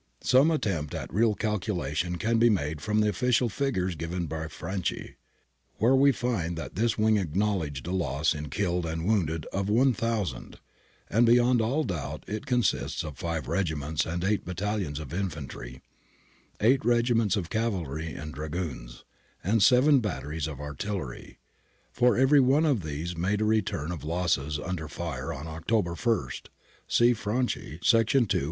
Some attempt at real calculation can be made from the official figures given by Franci. We there find that this wing acknowledged a loss in killed and wounded of about 1000 {Franci, ii. 260), and beyond all doubt it con sisted of five regiments and eight battalions of infantry, eight regiments of cavalry and dragoons, and seven batteries of artillery ; for every one of these made a return of losses under fire on October i, see Franci, ii. 260.